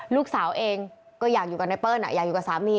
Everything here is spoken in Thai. ลูกสาวเองก็อยากอยู่กับไนเปิ้ลอยากอยู่กับสามี